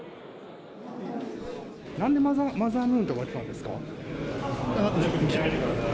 なんでマザームーンとか言ったんですか？